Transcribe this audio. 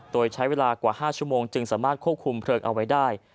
โดยใช้เวลากว่า๕ชั่วโมงจึงสามารถควบคุมเพลิงเอาไว้ได้